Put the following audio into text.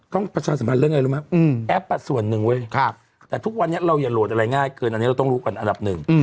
ประชาสัมพันธ์เรื่องอะไรรู้ไหมแอปส่วนหนึ่งเว้ยแต่ทุกวันนี้เราอย่าโหลดอะไรง่ายเกินอันนี้เราต้องรู้กันอันดับหนึ่ง